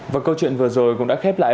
và câu chuyện vừa rồi cũng đã khép lại